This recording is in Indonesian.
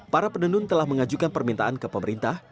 para penenun telah mengajukan permintaan ke pemerintah